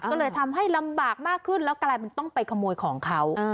ก็เลยทำให้ลำบากมากขึ้นแล้วกลายเป็นต้องไปขโมยของเขา